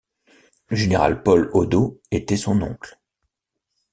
Le général Paul Oddo était son oncle.